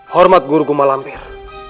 hormat guru kumalampir